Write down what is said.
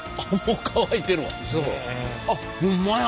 あっほんまや！